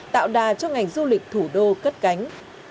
tạo đà cho ngành du lịch thủ đô cất cánh